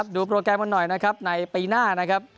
โปรแกรมกันหน่อยนะครับในปีหน้านะครับ